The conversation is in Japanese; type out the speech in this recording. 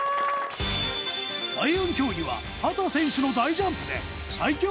第４競技は秦選手の大ジャンプで最強